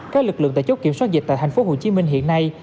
các lực lượng tại chốt kiểm soát dịch tại tp hcm hiện nay